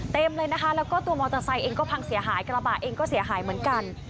เต็มเลยนะคะแล้วก็ตัวมอเตอร์ไซค์เองก็พังเสียหายกระบะเองก็เสียหายเหมือนกัน